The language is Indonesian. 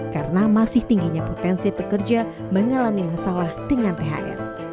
karena masih tingginya potensi pekerja mengalami masalah dengan thr